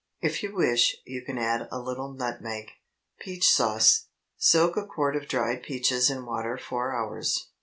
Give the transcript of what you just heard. If you wish, you can add a little nutmeg. PEACH SAUCE. Soak a quart of dried peaches in water four hours.